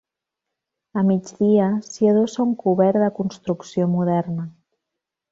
A migdia s'hi adossa un cobert de construcció moderna.